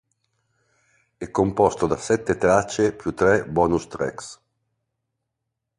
È composto da sette tracce più tre bonus tracks.